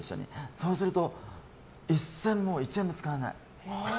そうすると、１円も使わない。